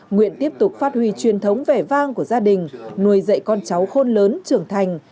nguyện tiếp tục phát huy truyền thống vẻ vang của gia đình nuôi dạy con cháu khôn lớn trưởng thành